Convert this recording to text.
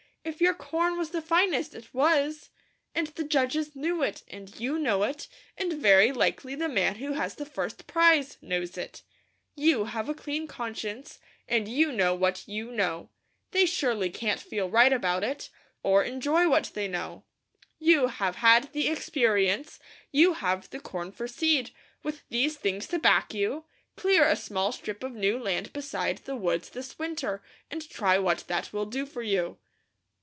"If your corn was the finest, it was, and the judges knew it, and you know it, and very likely the man who has the first prize, knows it. You have a clean conscience, and you know what you know. They surely can't feel right about it, or enjoy what they know. You have had the experience, you have the corn for seed; with these things to back you, clear a small strip of new land beside the woods this winter, and try what that will do for you."